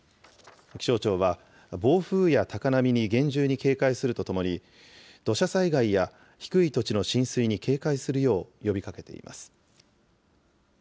気象庁は暴風や高波に厳重に警戒するとともに、土砂災害や低い土地の浸水に警戒するよう呼びかけています。